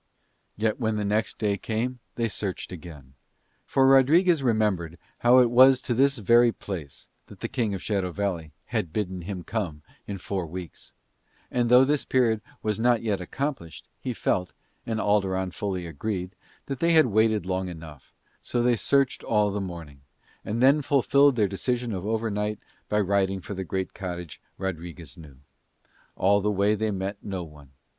Yet when the next day came they searched again, for Rodriguez remembered how it was to this very place that the King of Shadow Valley had bidden him come in four weeks, and though this period was not yet accomplished, he felt, and Alderon fully agreed, they had waited long enough: so they searched all the morning, and then fulfilled their decision of overnight by riding for the great cottage Rodriguez knew. All the way they met no one.